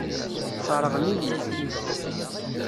Sseṛɣen-iyi-t.